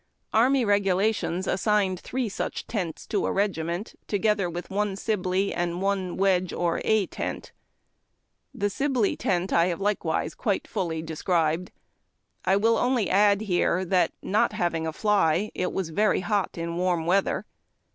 Army Regulations assigned three such tents to a regiment, together with one Sibley and one Wedge or A tent. The Sibley tent I have likewise quite fully described. I will only add here that, not having a *' fly," it was very hot in warm weather.